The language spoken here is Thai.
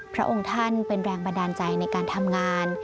พระองค์ท่านเป็นแรงบันดาลใจในการทำงาน